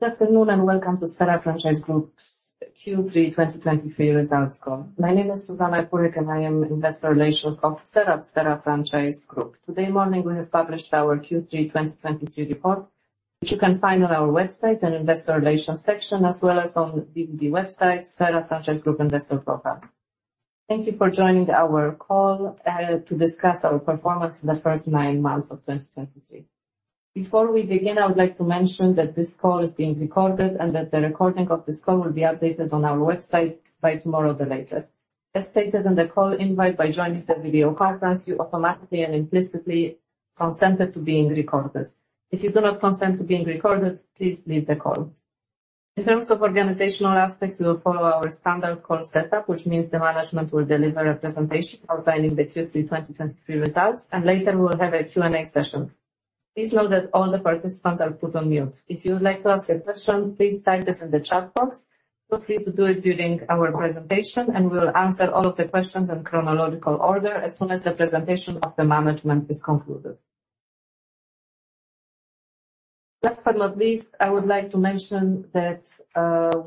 Good afternoon, and welcome to Sphera Franchise Group's Q3 2023 Results Call. My name is Zuzanna Kurek, and I am Investor Relations Officer at Sphera Franchise Group. Today morning, we have published our Q3 2023 report, which you can find on our website in Investor Relations section, as well as on the website, Sphera Franchise Group Investor Profile. Thank you for joining our call to discuss our performance in the first nine months of 2023. Before we begin, I would like to mention that this call is being recorded and that the recording of this call will be updated on our website by tomorrow at the latest. As stated on the call invite, by joining the video conference, you automatically and implicitly consent to it being recorded. If you do not consent to being recorded, please leave the call. In terms of organizational aspects, we will follow our standard call setup, which means the management will deliver a presentation outlining the Q3 2023 results, and later we will have a Q&A session. Please note that all the participants are put on mute. If you would like to ask a question, please type this in the chat box. Feel free to do it during our presentation, and we will answer all of the questions in chronological order as soon as the presentation of the management is concluded. Last but not least, I would like to mention that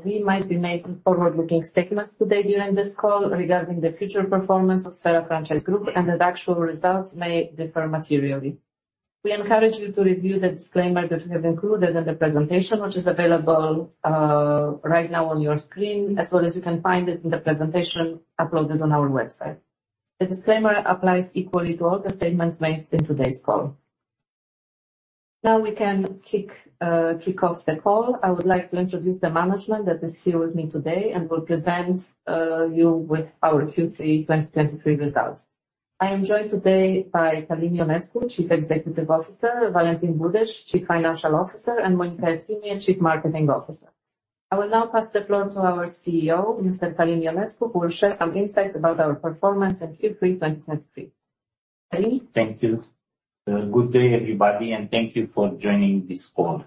we might be making forward-looking statements today during this call regarding the future performance of Sphera Franchise Group and that actual results may differ materially. We encourage you to review the disclaimer that we have included in the presentation, which is available, right now on your screen, as well as you can find it in the presentation uploaded on our website. The disclaimer applies equally to all the statements made in today's call. Now we can kick off the call. I would like to introduce the management that is here with me today and will present you with our Q3 2023 results. I am joined today by Călin Ionescu, Chief Executive Officer, Valentin Budeș, Chief Financial Officer, and Monica Eftimie, Chief Marketing Officer. I will now pass the floor to our CEO, Mr. Călin Ionescu, who will share some insights about our performance in Q3 2023. Călin? Thank you. Good day, everybody, and thank you for joining this call.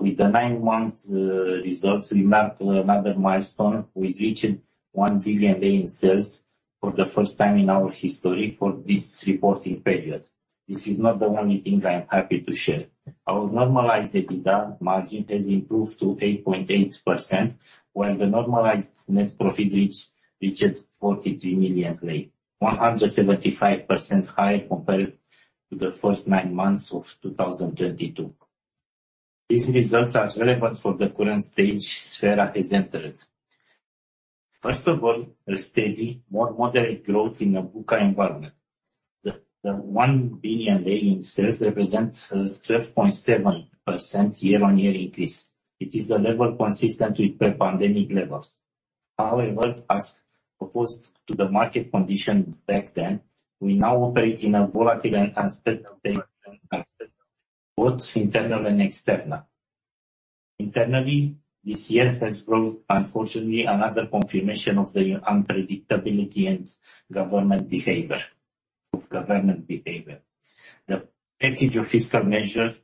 With the nine months results, we mark another milestone. We reached RON 1 billion in sales for the first time in our history for this reporting period. This is not the only thing I am happy to share. Our normalized EBITDA margin has improved to 8.8%, while the normalized net profit reached RON 43 million, 175% higher compared to the first nine months of 2022. These results are relevant for the current stage Sphera has entered. First of all, a steady, more moderate growth in a VUCA environment. The RON 1 billion lei in sales represents a 12.7% year-on-year increase. It is a level consistent with pre-pandemic levels. However, as opposed to the market conditions back then, we now operate in a volatile and uncertain both internal and external. Internally, this year has brought, unfortunately, another confirmation of the unpredictability of government behavior. The package of fiscal measures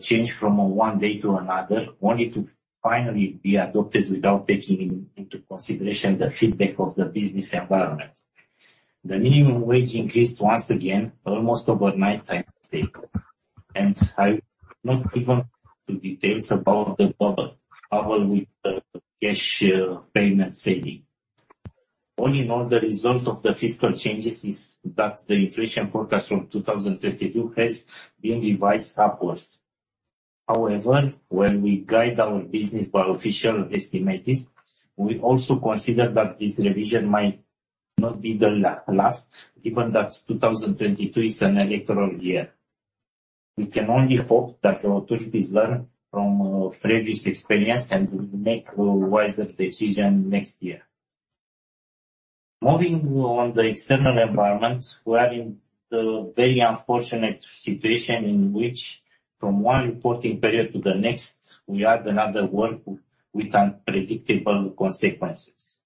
changed from one day to another, only to finally be adopted without taking into consideration the feedback of the business environment. The minimum wage increased once again, almost overnight, I must say, and I not even to details about the bubble with the cash payment ceiling. All in all, the result of the fiscal changes is that the inflation forecast from 2022 has been revised upwards. However, when we guide our business by official estimates, we also consider that this revision might not be the last, given that 2022 is an electoral year. We can only hope that our politicians learn from previous experience and make a wiser decision next year. Moving on the external environment, we are in the very unfortunate situation in which from one reporting period to the next, we add another war with unpredictable consequences.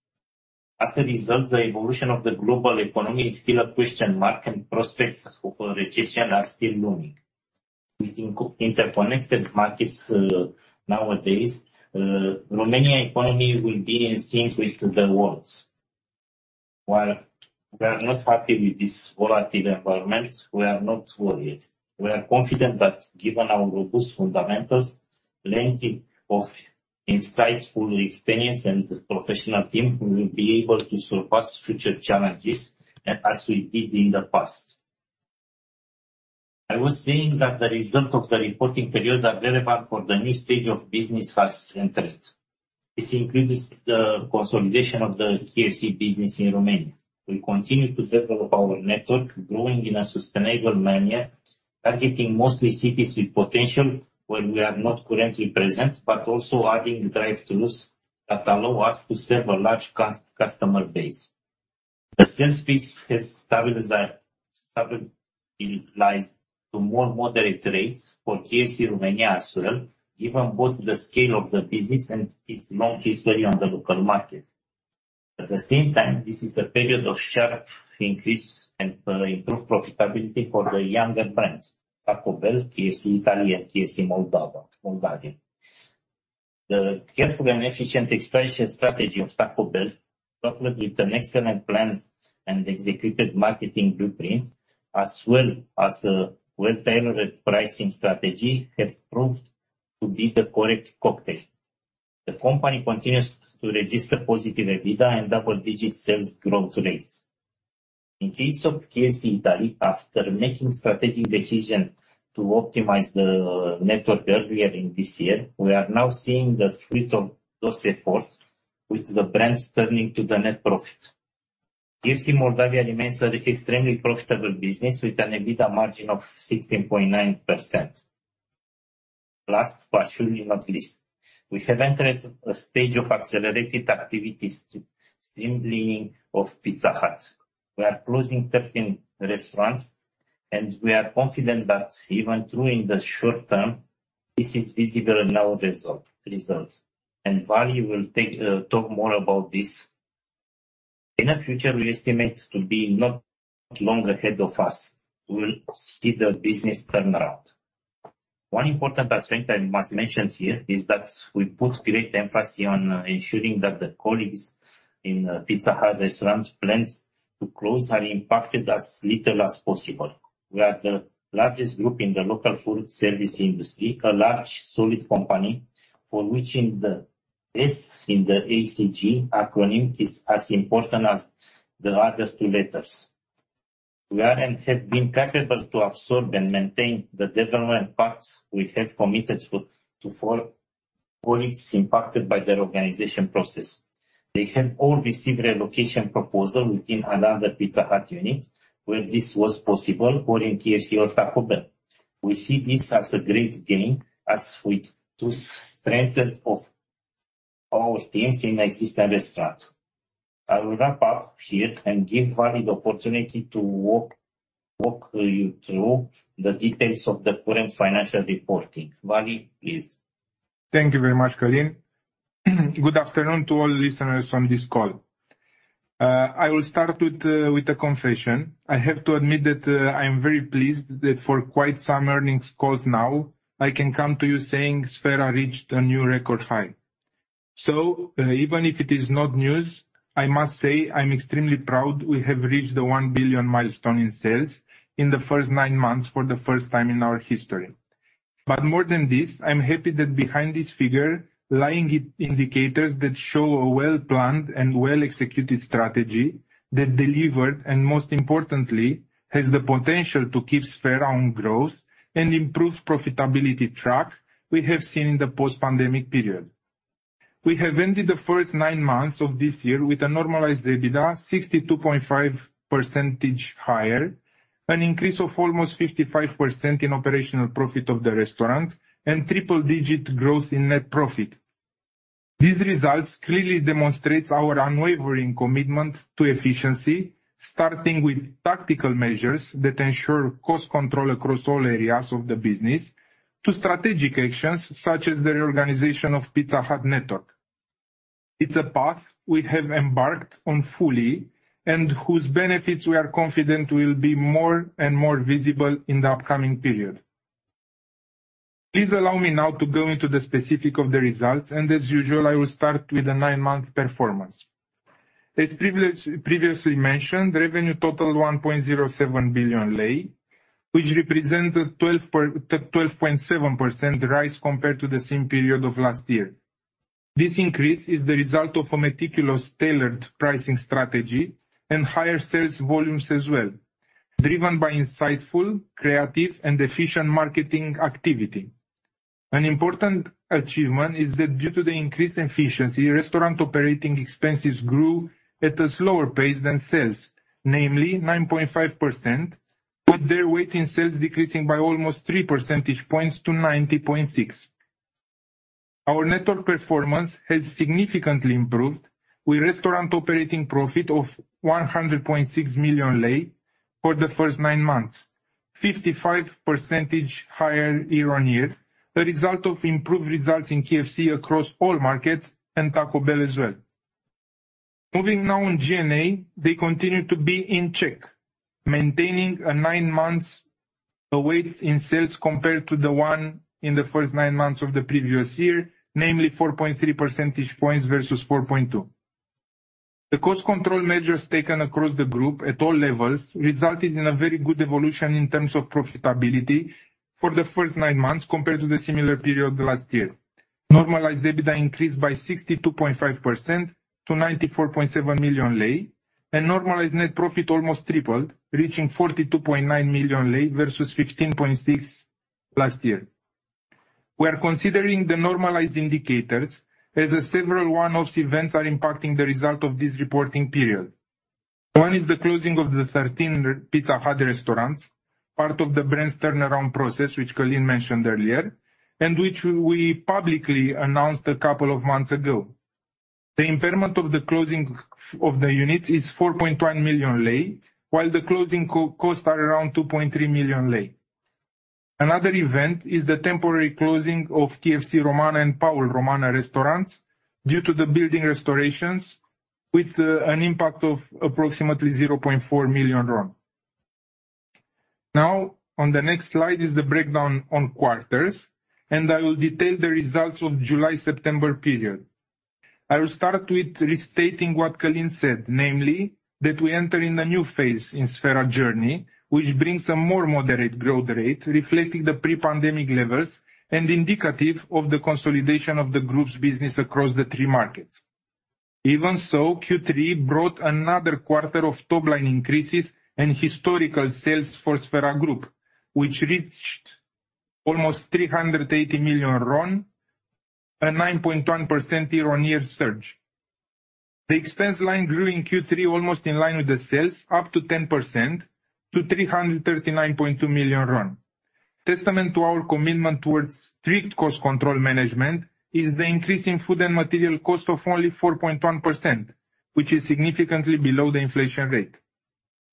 As a result, the evolution of the global economy is still a question mark, and prospects of a recession are still looming. With interconnected markets nowadays, the Romanian economy will be in sync with the world's. While we are not happy with this volatile environment, we are not worried. We are confident that given our robust fundamentals, plenty of insightful experience and professional team, we will be able to surpass future challenges as we did in the past. I was saying that the result of the reporting period are relevant for the new stage of business has entered. This includes the consolidation of the KFC business in Romania. We continue to develop our network, growing in a sustainable manner, targeting mostly cities with potential where we are not currently present, but also adding drive-throughs that allow us to serve a large customer base. The sales pace has stabilized to more moderate rates for KFC Romania as well, given both the scale of the business and its long history on the local market. At the same time, this is a period of sharp increase and improved profitability for the younger brands, Taco Bell, KFC Italy, and KFC Moldova, Moldavia. The careful and efficient expansion strategy of Taco Bell, coupled with an excellent plan and executed marketing blueprint, as well as a well-tailored pricing strategy, have proved to be the correct cocktail. The company continues to register positive EBITDA and double-digit sales growth rates. In case of KFC Italy, after making strategic decision to optimize the network earlier in this year, we are now seeing the fruit of those efforts, with the brands turning to the net profit. KFC Moldova remains an extremely profitable business, with an EBITDA margin of 16.9%. Last, but surely not least, we have entered a stage of accelerated activities to streamlining of Pizza Hut. We are closing 13 restaurants, and we are confident that even though in the short term, this is visible in our result, results, and Vali will take talk more about this. In the future, we estimate to be not long ahead of us, we will see the business turn around. One important aspect I must mention here is that we put great emphasis on ensuring that the colleagues in Pizza Hut restaurants planned to close are impacted as little as possible. We are the largest group in the local food service industry, a large, solid company for which in the ESG acronym is as important as the other two letters. We are and have been capable to absorb and maintain the development paths we have committed for, to four colleagues impacted by the organization process. They have all received relocation proposal within another Pizza Hut unit, where this was possible, or in KFC or Taco Bell. We see this as a great gain as we strengthen of our teams in existing restaurants. I will wrap up here and give Vali the opportunity to walk you through the details of the current financial reporting. Vali, please. Thank you very much, Călin. Good afternoon to all listeners on this call. I will start with a confession. I have to admit that I am very pleased that for quite some earnings calls now, I can come to you saying Sphera reached a new record high. So even if it is not news, I must say I'm extremely proud we have reached the RON 1 billion milestone in sales in the first nine months for the first time in our history. But more than this, I'm happy that behind this figure, lying indicators that show a well-planned and well-executed strategy that delivered, and most importantly, has the potential to keep Sphera on growth and improve profitability track we have seen in the post-pandemic period. We have ended the first nine months of this year with a normalized EBITDA 62.5% higher, an increase of almost 55% in operational profit of the restaurants, and triple-digit growth in net profit. These results clearly demonstrates our unwavering commitment to efficiency, starting with tactical measures that ensure cost control across all areas of the business, to strategic actions such as the reorganization of Pizza Hut network. It's a path we have embarked on fully, and whose benefits we are confident will be more and more visible in the upcoming period. Please allow me now to go into the specifics of the results, and as usual, I will start with the nine-month performance. As previously mentioned, revenue totaled RON 1.07 billion, which represented a 12.7% rise compared to the same period of last year. This increase is the result of a meticulous, tailored pricing strategy and higher sales volumes as well, driven by insightful, creative, and efficient marketing activity. An important achievement is that due to the increased efficiency, restaurant operating expenses grew at a slower pace than sales, namely 9.5%, with their weight in sales decreasing by almost three percentage points to 90.6. Our network performance has significantly improved, with restaurant operating profit of RON 100.6 million for the first nine months, 55% higher year-on-year, a result of improved results in KFC across all markets and Taco Bell as well. Moving now in GNA, they continue to be in check, maintaining a nine months weight in sales compared to the one in the first nine months of the previous year, namely 4.3 percentage points versus 4.2. The cost control measures taken across the group at all levels resulted in a very good evolution in terms of profitability for the first nine months compared to the similar period last year. Normalized EBITDA increased by 62.5% to RON 94.7 million, and normalized net profit almost tripled, reaching RON 42.9 million versus RON 15.6 million last year. We are considering the normalized indicators as several one-off events are impacting the result of this reporting period. One is the closing of the 13 Pizza Hut restaurants, part of the brand's turnaround process, which Călin mentioned earlier, and which we publicly announced a couple of months ago. The impairment of the closing of the units is RON 4.1 million, while the closing costs are around RON 2.3 million. Another event is the temporary closing of KFC Romana and Paul Romana restaurants due to the building restorations, with an impact of approximately RON 0.4 million. Now, on the next slide is the breakdown on quarters, and I will detail the results of July-September period. I will start with restating what Călin said, namely, that we enter in a new phase in Sphera journey, which brings a more moderate growth rate, reflecting the pre-pandemic levels and indicative of the consolidation of the group's business across the three markets. Even so, Q3 brought another quarter of top line increases and historical sales for Sphera Group, which reached almost RON 380 million, a 9.1% year-on-year surge. The expense line grew in Q3, almost in line with the sales, up 10% to RON 339.2 million. Testament to our commitment towards strict cost control management is the increase in food and material cost of only 4.1%, which is significantly below the inflation rate.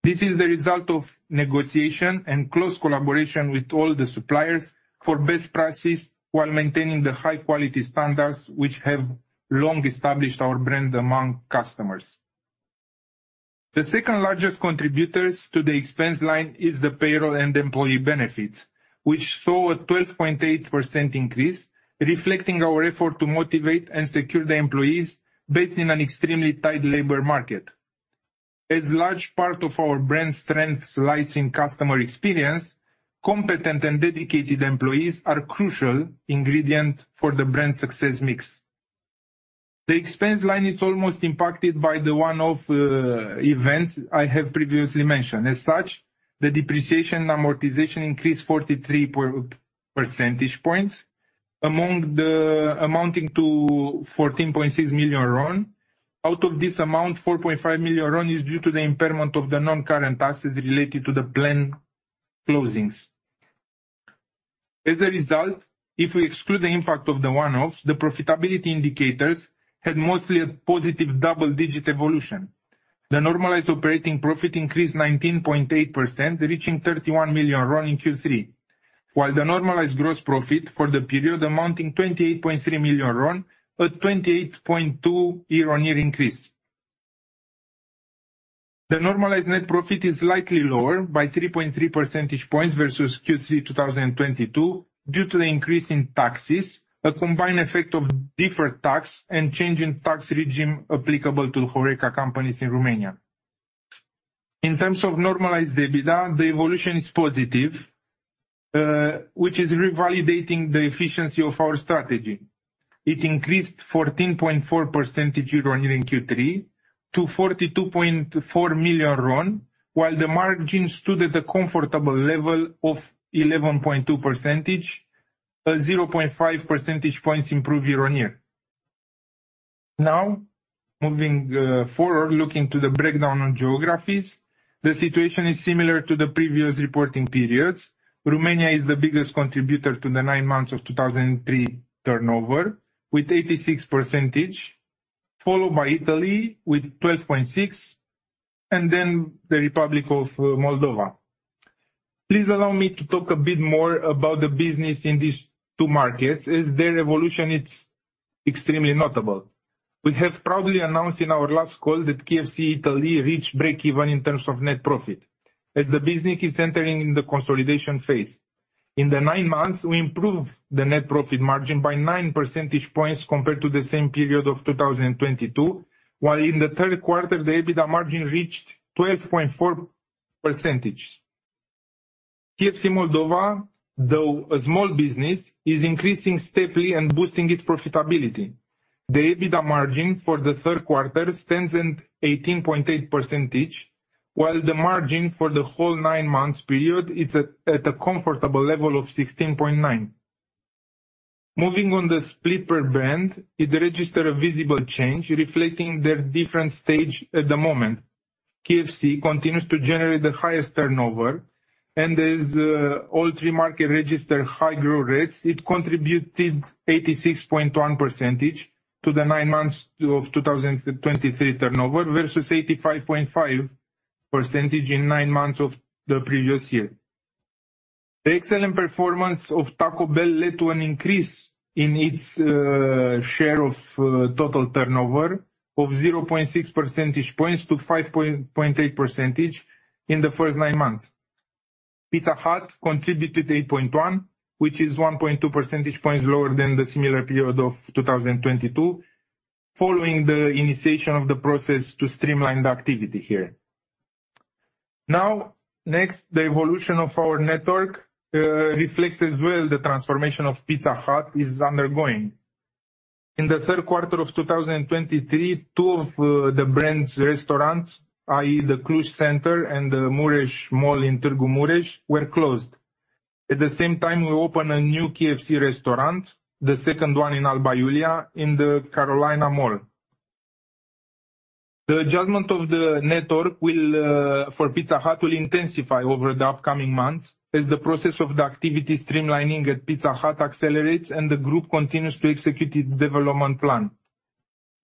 This is the result of negotiation and close collaboration with all the suppliers for best prices, while maintaining the high quality standards which have long established our brand among customers. The second largest contributors to the expense line is the payroll and employee benefits, which saw a 12.8% increase, reflecting our effort to motivate and secure the employees based in an extremely tight labor market. As large part of our brand strength lies in customer experience, competent and dedicated employees are a crucial ingredient for the brand success mix. The expense line is almost impacted by the one-off events I have previously mentioned. As such, the depreciation amortization increased 43 percentage points amounting to RON 14.6 million. Out of this amount, RON 4.5 million is due to the impairment of the non-current taxes related to the plan closings. As a result, if we exclude the impact of the one-offs, the profitability indicators had mostly a positive double-digit evolution. The normalized operating profit increased 19.8%, reaching RON 31 million in Q3, while the normalized gross profit for the period amounting RON 28.3 million, a 28.2 year-on-year increase. The normalized net profit is slightly lower by 3.3 percentage points versus Q3 2022, due to the increase in taxes, a combined effect of deferred tax and change in tax regime applicable to HoReCa companies in Romania. In terms of normalized EBITDA, the evolution is positive, which is revalidating the efficiency of our strategy. It increased 14.4% year-on-year in Q3 to RON 42.4 million, while the margin stood at a comfortable level of 11.2%, a 0.5 percentage points improve year-on-year. Now, moving forward, looking to the breakdown on geographies, the situation is similar to the previous reporting periods. Romania is the biggest contributor to the nine months of 2023 turnover, with 86%, followed by Italy with 12.6%, and then the Republic of Moldova. Please allow me to talk a bit more about the business in these two markets, as their evolution, it's extremely notable. We have proudly announced in our last call that KFC Italy reached breakeven in terms of net profit, as the business is entering in the consolidation phase. In the nine months, we improved the net profit margin by 9 percentage points compared to the same period of 2022, while in the Q3, the EBITDA margin reached 12.4%. KFC Moldova, though a small business, is increasing steadily and boosting its profitability. The EBITDA margin for the Q3 stands at 18.8%, while the margin for the whole nine months period is at a comfortable level of 16.9%. Moving on the split per brand, it registered a visible change, reflecting their different stage at the moment. KFC continues to generate the highest turnover, and as all three market register high growth rates, it contributed 86.1% to the nine months of 2023 turnover versus 85.5% in nine months of the previous year. The excellent performance of Taco Bell led to an increase in its share of total turnover of 0.6 percentage points to 5.8% in the first nine months. Pizza Hut contributed 8.1%, which is 1.2 percentage points lower than the similar period of 2022, following the initiation of the process to streamline the activity here. Now, next, the evolution of our network reflects as well the transformation of Pizza Hut is undergoing. In the Q3 of 2023, two of the brand's restaurants, i.e., the Cluj Center and the Mureș Mall in Târgu Mureș, were closed. At the same time, we opened a new KFC restaurant, the second one in Alba Iulia, in the Carolina Mall. The judgment of the network will for Pizza Hut will intensify over the upcoming months as the process of the activity streamlining at Pizza Hut accelerates and the group continues to execute its development plan.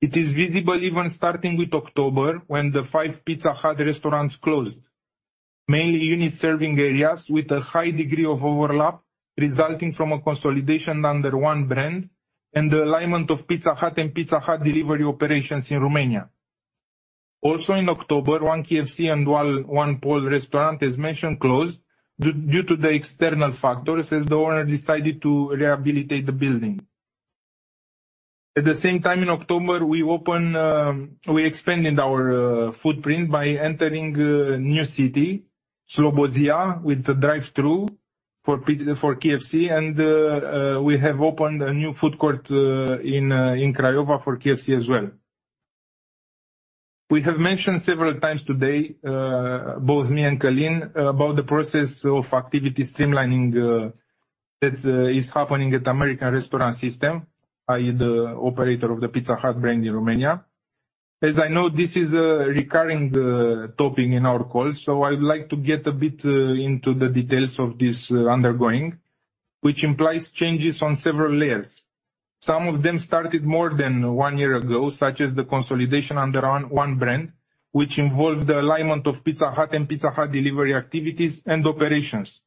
It is visible even starting with October, when the five Pizza Hut restaurants closed, mainly unit serving areas with a high degree of overlap, resulting from a consolidation under one brand and the alignment of Pizza Hut and Pizza Hut Delivery operations in Romania. Also in October, one KFC and one Paul restaurant, as mentioned, closed due to the external factors, as the owner decided to rehabilitate the building. At the same time, in October, we open, we expanded our footprint by entering a new city, Slobozia, with the drive-thru for KFC, and we have opened a new food court in Craiova for KFC as well. We have mentioned several times today, both me and Călin, about the process of activity streamlining that is happening at American Restaurant System, i.e., the operator of the Pizza Hut brand in Romania. As you know, this is a recurring topic in our call, so I would like to get a bit into the details of this undergoing, which implies changes on several layers. Some of them started more than one year ago, such as the consolidation under one brand, which involved the alignment of Pizza Hut and Pizza Hut Delivery activities and operations.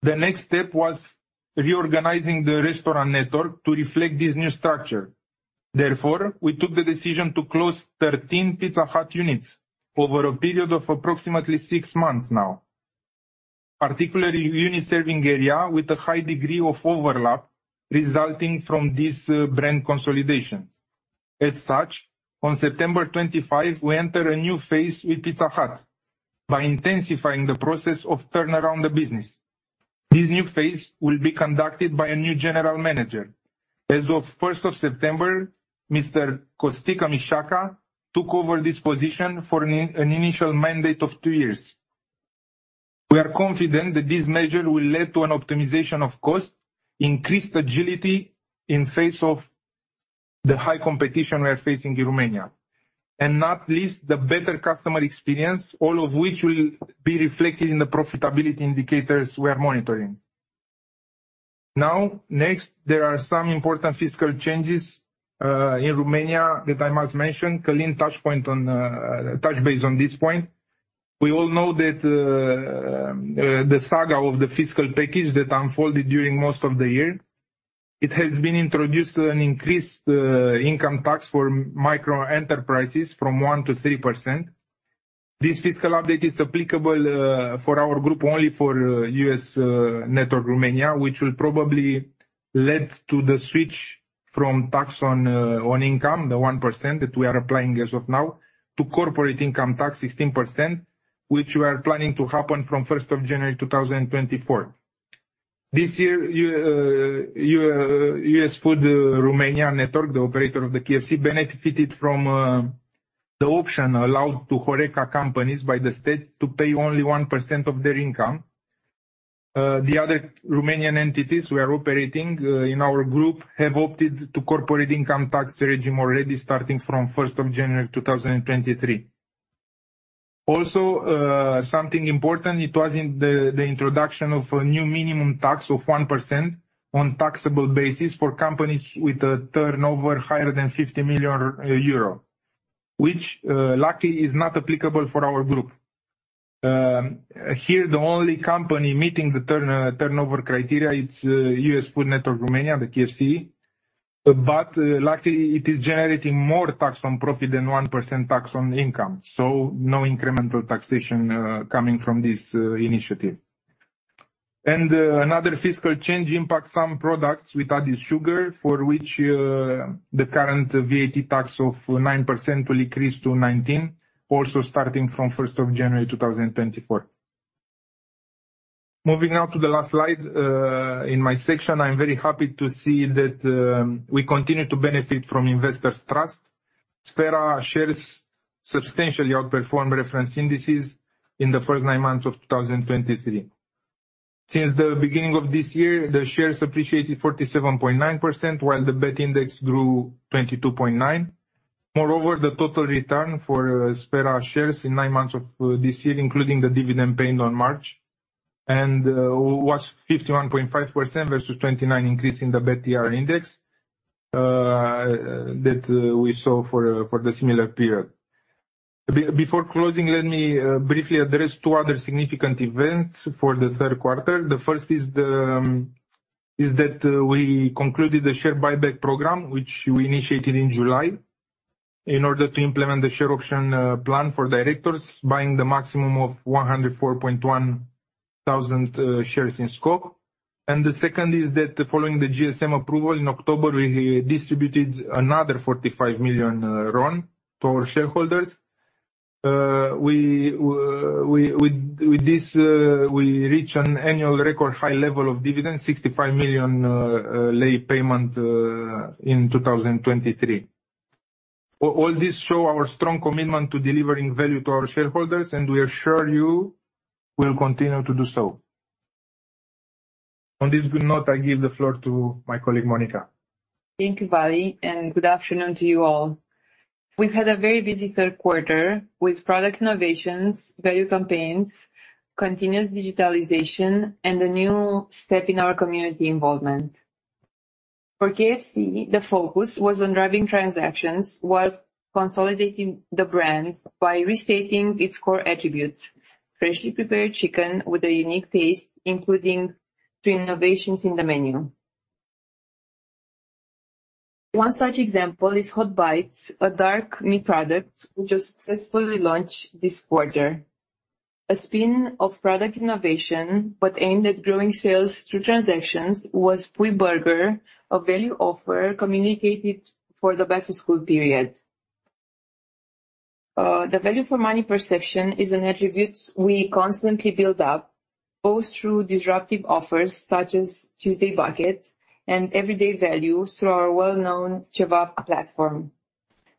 The next step was reorganizing the restaurant network to reflect this new structure. Therefore, we took the decision to close 13 Pizza Hut units over a period of approximately six months now, particularly unit serving area with a high degree of overlap resulting from these, brand consolidations. As such, on September 25, we enter a new phase with Pizza Hut by intensifying the process of turnaround the business. This new phase will be conducted by a new general manager. As of first of September, Mr. Costică Mișaca took over this position for an initial mandate of two years. We are confident that this measure will lead to an optimization of cost, increased agility in face of the high competition we are facing in Romania, and not least, the better customer experience, all of which will be reflected in the profitability indicators we are monitoring. Now, next, there are some important fiscal changes in Romania that I must mention. Călin, touch point on, touch base on this point. We all know that, the saga of the fiscal package that unfolded during most of the year, it has been introduced an increased income tax for micro-enterprises from 1% to 3%. This fiscal update is applicable for our group, only for US Food Network Romania, which will probably lead to the switch from tax on income, the 1% that we are applying as of now, to corporate income tax 16%, which we are planning to happen from first of January, 2024. This year, US Food Network Romania, the operator of the KFC, benefited from the option allowed to HoReCa companies by the state to pay only 1% of their income. The other Romanian entities we are operating in our group have opted to corporate income tax regime already, starting from first of January, 2023. Also, something important, it was in the introduction of a new minimum tax of 1% on taxable basis for companies with a turnover higher than 50 million euro, which, luckily, is not applicable for our group. Here, the only company meeting the turnover criteria, it's US Food Network, Romania, the KFC, but, luckily, it is generating more tax on profit than 1% tax on income, so no incremental taxation coming from this initiative. Another fiscal change impacts some products with added sugar, for which the current VAT tax of 9% will increase to 19%, also starting from first of January 2024. Moving now to the last slide. In my section, I'm very happy to see that we continue to benefit from investors' trust. Sphera shares substantially outperformed reference indices in the first nine months of 2023. Since the beginning of this year, the shares appreciated 47.9%, while the BET Index grew 22.9%. Moreover, the total return for Sphera shares in nine months of this year, including the dividend paid on March, was 51.5% versus 29% increase in the BET-TR Index that we saw for the similar period. Before closing, let me briefly address 2 other significant events for the Q3. The first is that we concluded the share buyback program, which we initiated in July in order to implement the share option plan for directors, buying the maximum of 104.1 thousand shares in scope. The second is that following the GSM approval in October, we distributed another RON 45 million to our shareholders. With this, we reach an annual record high level of dividends, RON 65 million lei payment in 2023. All this show our strong commitment to delivering value to our shareholders, and we assure you we'll continue to do so. On this good note, I give the floor to my colleague, Monica. Thank you, Vali, and good afternoon to you all. We've had a very busy Q3 with product innovations, value campaigns, continuous digitalization, and a new step in our community involvement. For KFC, the focus was on driving transactions while consolidating the brand by restating its core attributes: freshly prepared chicken with a unique taste, including two innovations in the menu. One such example is Hot Bites, a dark meat product, which was successfully launched this quarter. A spin of product innovation, but aimed at growing sales through transactions, was Pui Burger, a value offer communicated for the back-to-school period. The value for money perception is an attribute we constantly build up, both through disruptive offers such as Tuesday Bucket and everyday value through our well-known CEVA platform.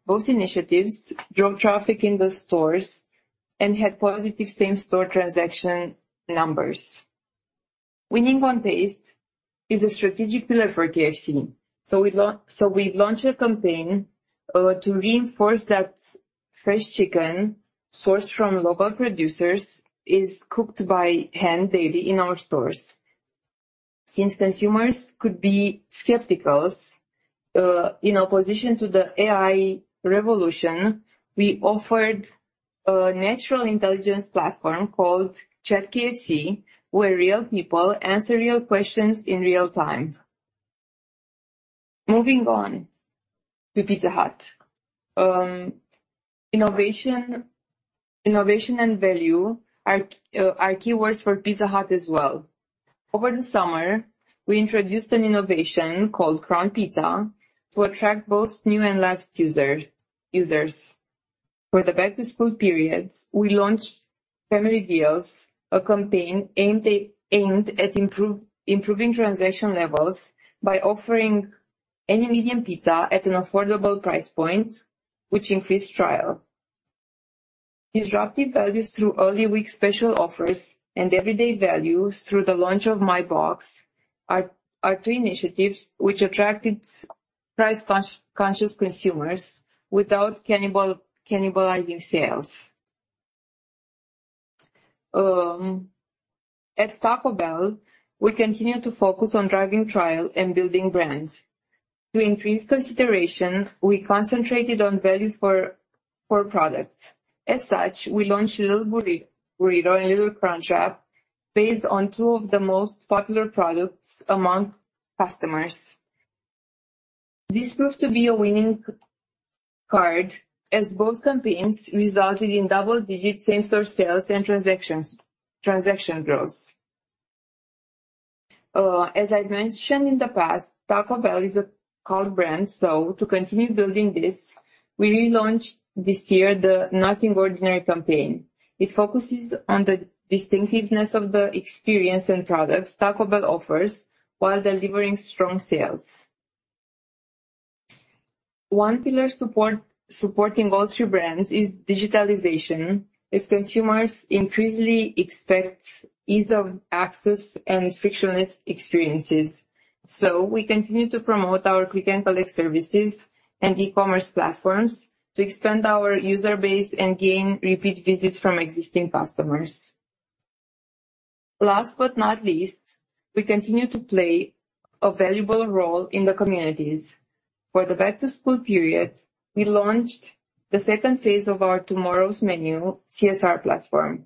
Both initiatives drove traffic in the stores and had positive same-store transaction numbers. Winning on taste is a strategic pillar for KFC, so we launched a campaign to reinforce that fresh chicken sourced from local producers is cooked by hand daily in our stores. Since consumers could be skeptical in opposition to the AI revolution, we offered a natural intelligence platform called Chat KFC, where real people answer real questions in real time. Moving on to Pizza Hut. Innovation and value are keywords for Pizza Hut as well. Over the summer, we introduced an innovation called Crown Pizza to attract both new and lost users. For the back-to-school periods, we launched Family Deals, a campaign aimed at improving transaction levels by offering any medium pizza at an affordable price point, which increased trial. Disruptive values through early week special offers and everyday values through the launch of My Box are two initiatives which attracted price conscious consumers without cannibalizing sales. At Taco Bell, we continue to focus on driving trial and building brands. To increase consideration, we concentrated on value for products. As such, we launched Little Burrito and Little Crunchwrap, based on two of the most popular products among customers. This proved to be a winning card, as both campaigns resulted in double-digit same-store sales and transaction growth. As I've mentioned in the past, Taco Bell is a cult brand, so to continue building this, we relaunched this year the Nothing Ordinary campaign. It focuses on the distinctiveness of the experience and products Taco Bell offers while delivering strong sales. One pillar support, supporting all three brands is digitalization, as consumers increasingly expect ease of access and frictionless experiences. So we continue to promote our click and collect services and e-commerce platforms to expand our user base and gain repeat visits from existing customers. Last but not least, we continue to play a valuable role in the communities. For the back-to-school period, we launched the second phase of our Tomorrow's Menu CSR platform.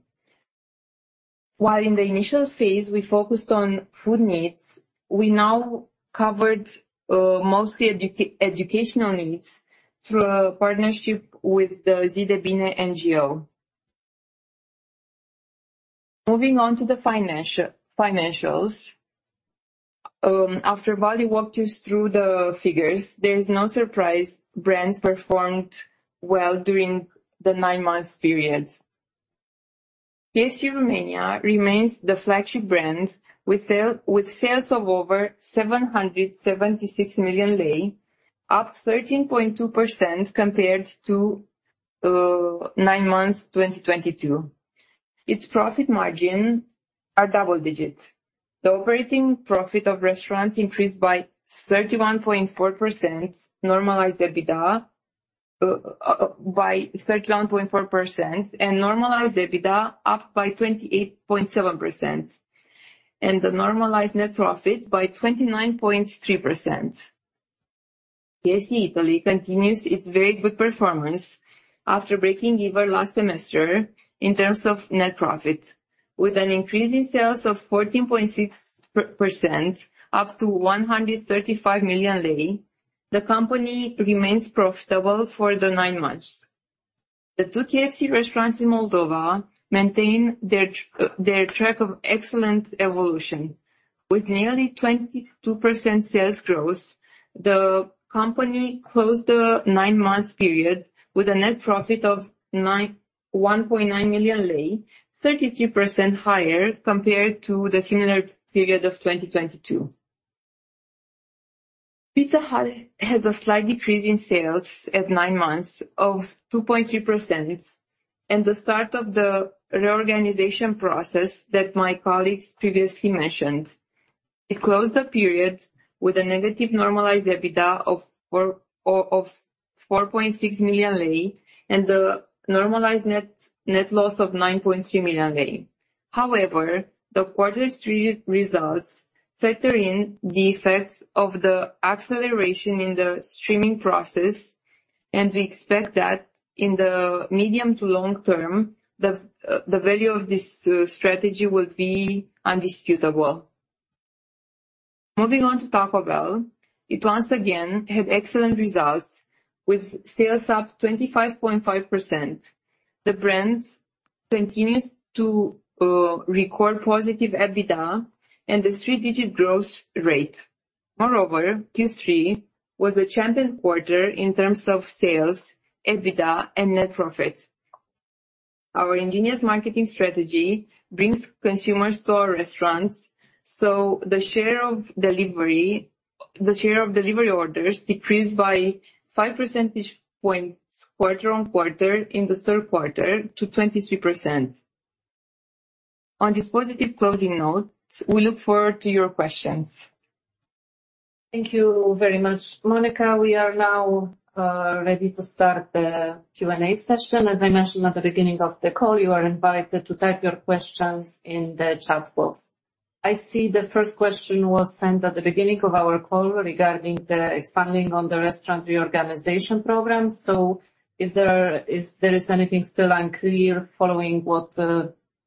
While in the initial phase, we focused on food needs, we now covered mostly educational needs through a partnership with the Zi de Bine NGO. Moving on to the financials. After Vali walked us through the figures, there is no surprise brands performed well during the nine months period. KFC Romania remains the flagship brand, with sale, with sales of over RON 776 million, up 13.2% compared to nine months, 2022. Its profit margin are double digit. The operating profit of restaurants increased by 31.4%, normalized EBITDA by 31.4%, and normalized EBITDA up by 28.7%, and the normalized net profit by 29.3%. KFC Italy continues its very good performance after breaking even last semester in terms of net profit. With an increase in sales of 14.6%, up to RON 135 million, the company remains profitable for the nine months. The two KFC restaurants in Moldova maintain their track of excellent evolution. With nearly 22% sales growth, the company closed the 9 months period with a net profit of RON 1.9 million, 33% higher compared to the similar period of 2022. Pizza Hut has a slight decrease in sales at nine months of 2.3% and the start of the reorganization process that my colleagues previously mentioned. It closed the period with a negative normalized EBITDA of RON 4.6 million, and the normalized net loss of RON 9.3 million. However, the quarter's three results factor in the effects of the acceleration in the streamlining process and we expect that in the medium to long term, the value of this strategy will be indisputable. Moving on to Taco Bell, it once again had excellent results with sales up 25.5%. The brand continues to record positive EBITDA and a three-digit growth rate. Moreover, Q3 was a champion quarter in terms of sales, EBITDA, and net profit. Our ingenious marketing strategy brings consumers to our restaurants, so the share of delivery, the share of delivery orders decreased by 5 percentage points quarter-on-quarter in the Q3 to 23%. On this positive closing note, we look forward to your questions. Thank you very much, Monica. We are now ready to start the Q&A session. As I mentioned at the beginning of the call, you are invited to type your questions in the chat box. I see the first question was sent at the beginning of our call regarding the expanding on the restaurant reorganization program. So if there is anything still unclear following what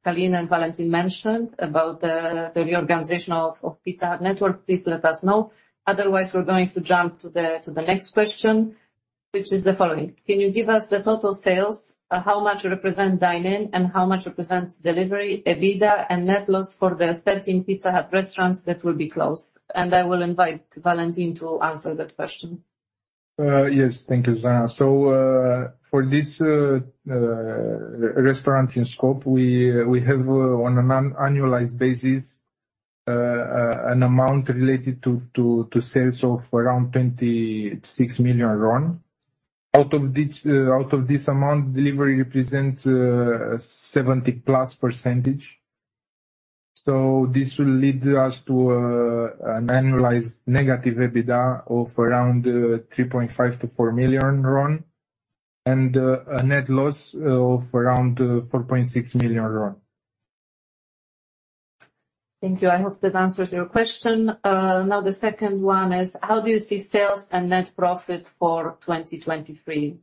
Călin and Valentin mentioned about the reorganization of Pizza Hut network, please let us know. Otherwise, we're going to jump to the next question, which is the following: Can you give us the total sales? How much represent dine-in, and how much represents delivery, EBITDA, and net loss for the 13 Pizza Hut restaurants that will be closed? And I will invite Valentin to answer that question. Yes. Thank you, Zana. So, for this restaurant in scope, we have, on an annualized basis, an amount related to sales of around RON 26 million. Out of this amount, delivery represents 70%+. So this will lead us to an annualized negative EBITDA of around RON 3.5 million to RON 4 million and a net loss of around RON 4.6 million. Thank you. I hope that answers your question. Now, the second one is, how do you see sales and net profit for 2023?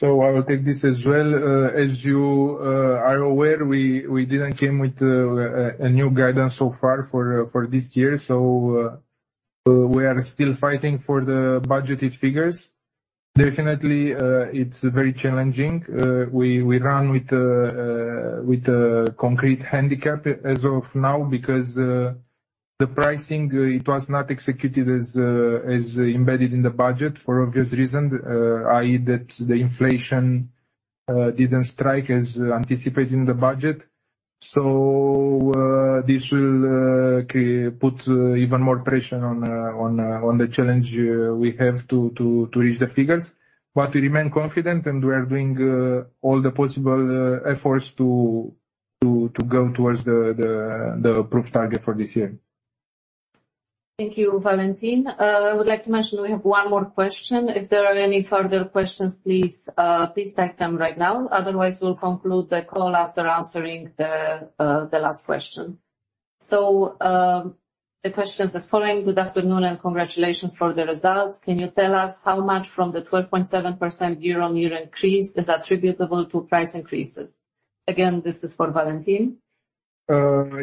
So I will take this as well. As you are aware, we didn't came with a new guidance so far for this year, so we are still fighting for the budgeted figures. Definitely, it's very challenging. We run with a concrete handicap as of now because the pricing it was not executed as embedded in the budget, for obvious reasons, i.e., that the inflation didn't strike as anticipated in the budget. So, this will put even more pressure on the challenge we have to reach the figures. But we remain confident, and we are doing all the possible efforts to go towards the approved target for this year. Thank you, Valentin. I would like to mention we have one more question. If there are any further questions, please, please type them right now. Otherwise, we'll conclude the call after answering the, the last question. So, the question is as following: Good afternoon, and congratulations for the results. Can you tell us how much from the 12.7% year-on-year increase is attributable to price increases? Again, this is for Valentin.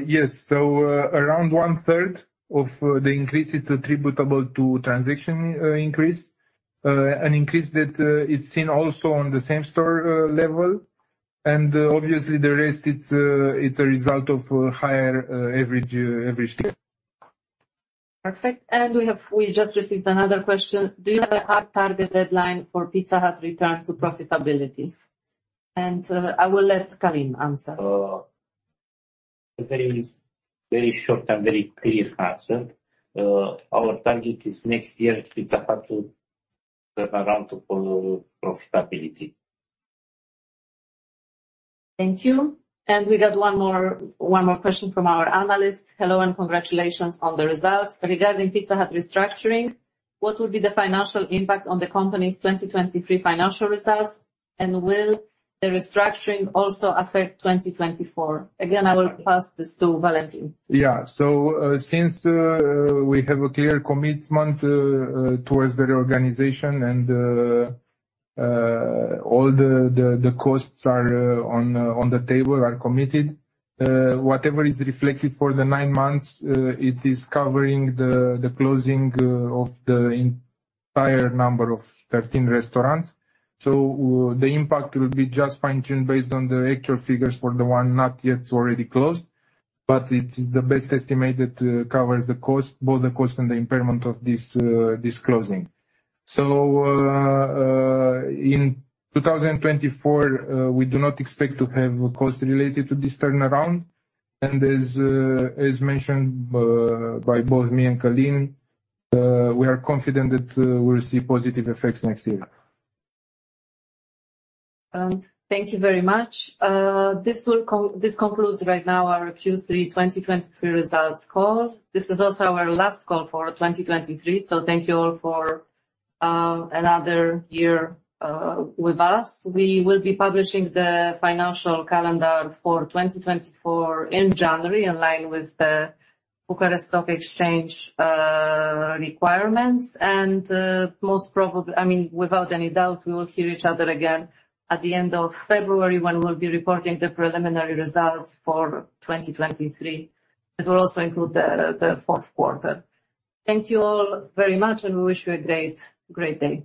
Yes. So, around one-third of the increase is attributable to transaction increase. An increase that is seen also on the same store level, and obviously, the rest, it's a result of higher average scale. Perfect. We just received another question: Do you have a hard target deadline for Pizza Hut return to profitability? And, I will let Călin answer. A very short and very clear answer. Our target is next year, Pizza Hut to turn around to full profitability. Thank you. We got one more, one more question from our analyst. Hello, and congratulations on the results. Regarding Pizza Hut restructuring, what would be the financial impact on the company's 2023 financial results, and will the restructuring also affect 2024? Again, I will pass this to Valentin. Yeah. So, since we have a clear commitment towards the reorganization and all the costs are on the table are committed, whatever is reflected for the nine months, it is covering the closing of the entire number of 13 restaurants. So the impact will be just fine-tuned based on the actual figures for the one not yet already closed, but it is the best estimate that covers the cost, both the cost and the impairment of this closing. So, in 2024, we do not expect to have costs related to this turnaround, and as mentioned by both me and Călin, we are confident that we'll see positive effects next year. Thank you very much. This concludes right now our Q3 2023 Results Call. This is also our last call for 2023, so thank you all for another year with us. We will be publishing the financial calendar for 2024 in January, in line with the Bucharest Stock Exchange requirements, and most probably, without any doubt, we will hear each other again at the end of February, when we'll be reporting the preliminary results for 2023. It will also include the Q4. Thank you all very much, and we wish you a great, great day.